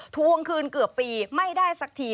ทวงคืนเกือบปีไม่ได้สักที